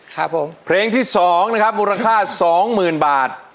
ครับผมเพลงที่สองนะครับมูลค่าสองหมื่นบาท